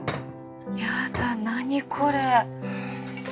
やだ何これ！